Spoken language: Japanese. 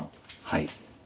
はい。